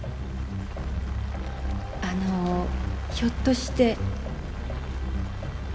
あのひょっとして。